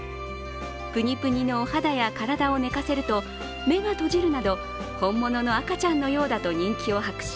プニプニのお肌や体を寝かせると目が閉じるなど本物の赤ちゃんのようだと人気を博し